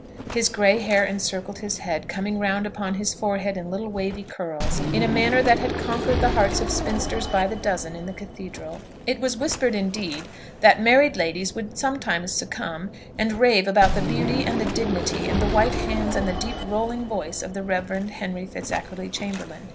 His grey hair encircled his head, coming round upon his forehead in little wavy curls, in a manner that had conquered the hearts of spinsters by the dozen in the cathedral. It was whispered, indeed, that married ladies would sometimes succumb, and rave about the beauty, and the dignity, and the white hands, and the deep rolling voice of the Rev. Henry Fitzackerley Chamberlaine.